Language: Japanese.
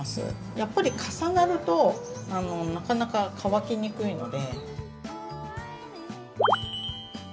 やっぱり重なるとなかなか乾きにくいので。